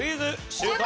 シュート！